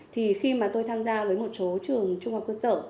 thì khi mà tôi tham gia với một số trường trung học cơ sở